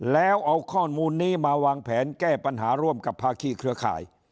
แล้วเอาข้อมูลนี้มาวางแผนแก้ปัญหาร่วมกับภาคีเครือข่าย